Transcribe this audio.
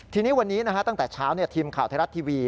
ทีนี้วันนี้ตั้งแต่เช้าทีมข่าวไทยรัฐทีวี